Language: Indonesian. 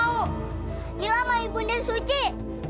nila sama ibunya suci